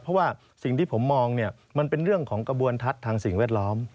เพราะว่าสิ่งที่ผมมองเนี่ยมันเป็นเรื่องของกระบวนทัศน์ทางสิ่งแวดล้อม